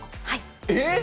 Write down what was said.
えっ！